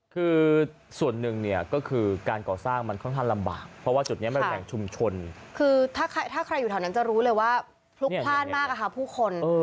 คือส่วนหนึ่งเนี่ยก็คือการก่อสร้างมันค่อนข้างลำบากเพราะว่าจุดนี้มันเป็นแหล่งชุมชนคือถ้าใครอยู่แถวนั้นจะรู้เลยว่าพลุกพลาดมากอะค่ะผู้คน